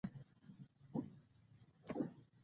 دا کار د اطمینان حس ورسره نغښتی دی.